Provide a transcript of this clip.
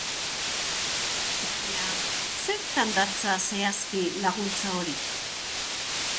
Baina zertan datza zehazki laguntza hori?